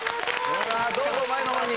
どうぞ前の方に。